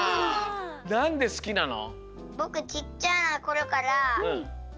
なんですきなの？